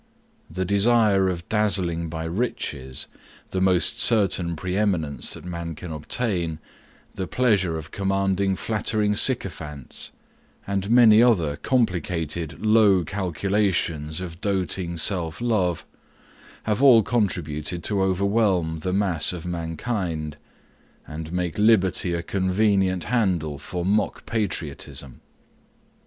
The desire of dazzling by riches, the most certain pre eminence that man can obtain, the pleasure of commanding flattering sycophants, and many other complicated low calculations of doting self love, have all contributed to overwhelm the mass of mankind, and make liberty a convenient handle for mock patriotism.